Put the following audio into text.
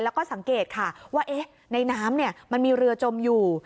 แล้วก็สังเกตค่ะว่าในน้ำมันมีเรือจมอยู่